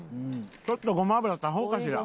ちょっとごま油足そうかしら。